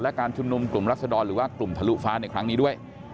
และการชุมนุมกลุ่มรัศดรหรือว่ากลุ่มทะลุฟ้าในครั้งนี้ด้วย